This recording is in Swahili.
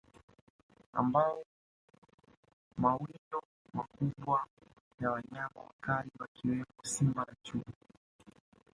Ambao ni mawindo makubwa ya wanyama wakali wakiwemo Simba na Chui